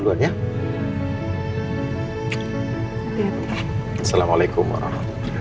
jangan sampai dipecat